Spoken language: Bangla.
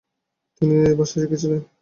তিনি ইংরেজি ভাষা শিখেছিলেন।